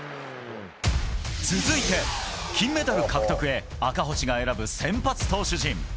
続いて、金メダル獲得へ赤星が選ぶ先発投手陣。